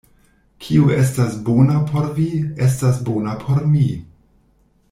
Kio estas bona por vi, estas bona por mi.